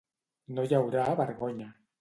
No hi haurà vergonya.